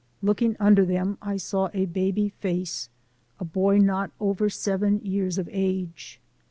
Looking under them I saw a baby face, a boy not over seven years of age.